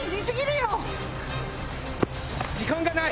時間がない！